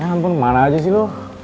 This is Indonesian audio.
ya ampun marah aja sih lo